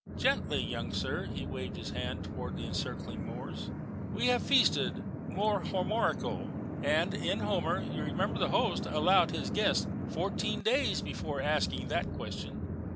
"Gently, young sir." He waved his hand towards the encircling moors. "We have feasted more Homerico, and in Homer, you remember the host allowed his guest fourteen days before asking that question.